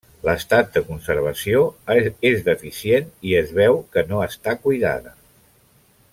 L'estat de conservació és deficient i es veu que no està cuidada.